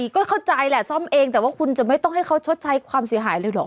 ก็เข้าใจแหละซ่อมเองแต่ว่าคุณจะไม่ต้องให้เขาชดใช้ความเสียหายเลยเหรอ